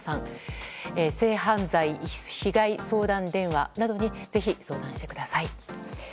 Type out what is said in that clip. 性被害被害相談電話にぜひ相談してください。